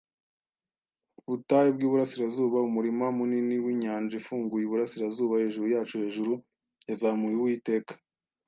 ubutayu bwiburasirazuba - umurima munini winyanja ifunguye iburasirazuba. Hejuru yacu hejuru yazamuye Uwiteka